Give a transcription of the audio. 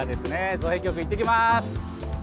造幣局行ってきます。